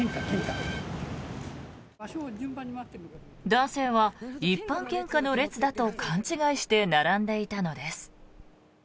男性は一般献花の列だと勘違いして並んでいたのです。